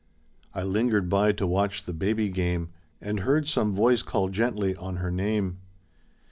I lingered by to watch the baby game, And heard some voice call gently on her name.